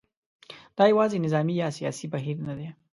دا یوازې نظامي یا سیاسي بهیر نه دی.